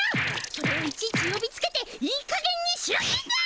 それをいちいちよびつけていいかげんにしろってんだ！